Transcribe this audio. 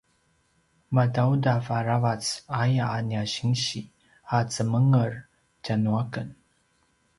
madaudav aravac aya a nia sinsi a zemenger tjanuaken